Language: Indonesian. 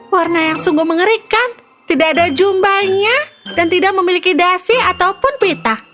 warna yang sungguh mengerikan tidak ada jumbanya dan tidak memiliki dasi ataupun pita